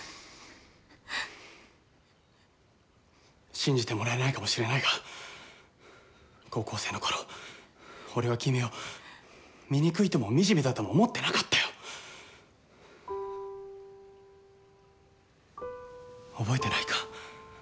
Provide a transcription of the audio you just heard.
信じてもらえないかもしれないが高校生の頃俺は君を醜いともみじめだとも思ってなかったよ覚えてないか？